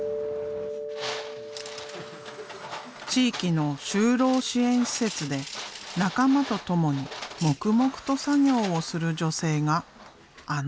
地域の就労支援施設で仲間と共に黙々と作業をする女性があの不思議な絵の作者。